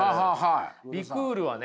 リクールはね